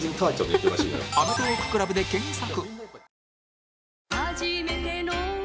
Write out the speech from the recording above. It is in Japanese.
「アメトーーク ＣＬＵＢ」で検索！